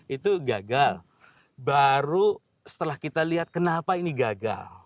itu gagal baru setelah kita lihat kenapa ini gagal